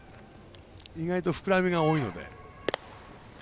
意外と膨らみが多いので。